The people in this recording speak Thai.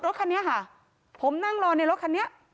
รถคันนี้ค่ะผมนั่งรอในรถคันนี้